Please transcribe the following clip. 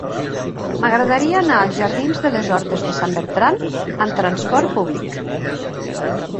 M'agradaria anar als jardins de les Hortes de Sant Bertran amb trasport públic.